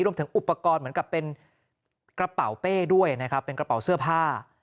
รวมถึงอุปกรณ์เหมือนกับเป็นกระเป๋าเป้ด้วยนะครับเป็นกระเป๋าเสื้อผ้า